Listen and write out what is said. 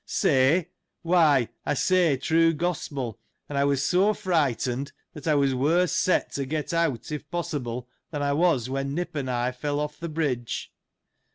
— Say ! why, I say true gospel : and I was so fright ened, that I was worse set to get out, if possible, than I was, when Nip and I fell off th' bridge.